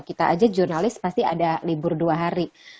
kita aja jurnalis pasti ada libur dua hari